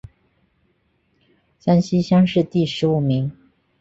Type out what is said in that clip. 山西乡试第十五名。